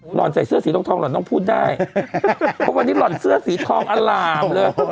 ห่อนใส่เสื้อสีทองทองหล่อนต้องพูดได้เพราะวันนี้หล่อนเสื้อสีทองอล่ามเลย